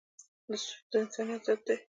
سود د انسانیت ضد دی.